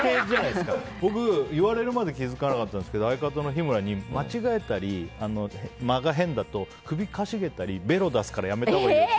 僕、言われるまで気付かなかったんですけど相方の日村に間違えたり、間が変だと首かしげたりべろを出すからやめたほうがいいよって。